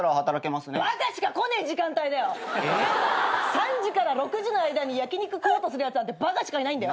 ３時から６時の間に焼き肉食おうとするやつなんてバカしかいないんだよ。